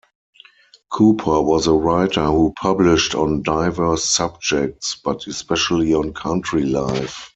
Cooper was a writer who published on diverse subjects, but especially on country life.